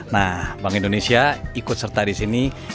nah bank indonesia ikut serta di sini